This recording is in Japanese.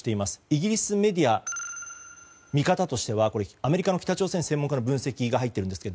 イギリスメディア見方としてはアメリカの北朝鮮専門家の分析が入っているんですが